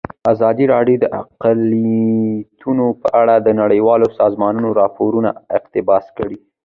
ازادي راډیو د اقلیتونه په اړه د نړیوالو سازمانونو راپورونه اقتباس کړي.